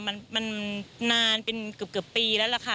มันนานเป็นเกือบปีแล้วล่ะค่ะ